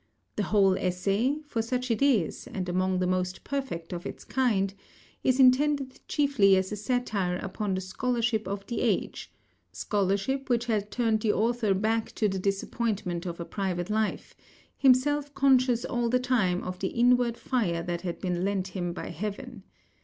The whole essay for such it is, and among the most perfect of its kind is intended chiefly as a satire upon the scholarship of the age; scholarship which had turned the author back to the disappointment of a private life, himself conscious all the time of the inward fire that had been lent him by heaven.